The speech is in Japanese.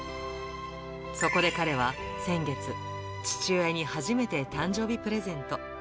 そこで彼は、先月、父親に初めて誕生日プレゼント。